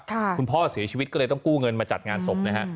คุณพ่อเสียชีวิตก็เลยต้องกู้เงินมาจัดงานศพนะฮะ